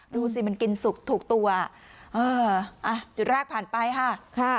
ดูสิมันกินสุกถูกตัวเอออ่ะจุดแรกผ่านไปค่ะค่ะ